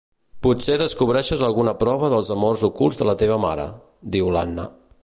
Potser descobreixes alguna prova dels amors ocults de la teva mare — diu l'Anna.